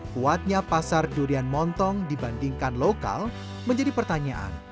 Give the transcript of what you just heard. kuatnya pasar durian montong dibandingkan lokal menjadi pertanyaan